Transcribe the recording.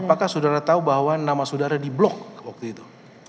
apakah saudara tahu bahwa nama saudara di blok waktu itu